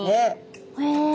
へえ。